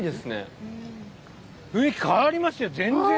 雰囲気変わりましたよ！